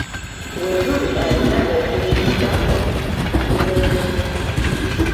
Wejuru alina okuliyirira mutuuze munne.